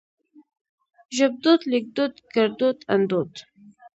ژبدود ليکدود ګړدود اندود